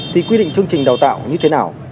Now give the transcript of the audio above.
thì quy định chương trình đào tạo như thế nào